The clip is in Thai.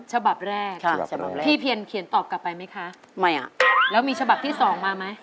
ฉบับแรกพี่เพียนเขียนตอบกลับไปไหมคะไม่อ่ะแล้วมีฉบับที่สองมาไหม